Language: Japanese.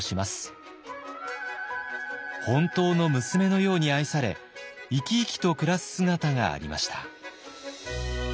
本当の娘のように愛され生き生きと暮らす姿がありました。